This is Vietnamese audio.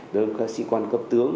đối với sĩ quan cấp tướng